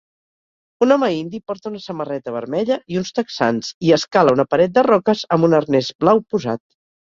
Un home indi porta una samarreta vermella i uns texans i escala una paret de roques amb un arnès blau posat